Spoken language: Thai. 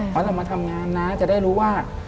เพราะเรามาทำงานนะจะได้รู้ว่า